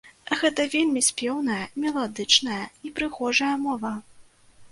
Гэта вельмі спеўная, меладычная і прыгожая мова.